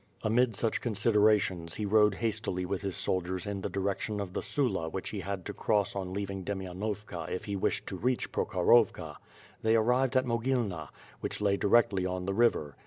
Amid such considerations, he rode hastily with his sol diers in the direction of the Sula which he had to cross on leaving. Demainovka if he wished to reach Prokhorovka. They arrived at Mogilna, which lay directly on the river.